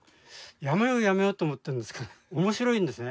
やめようやめようと思ってるんですけど面白いんですね。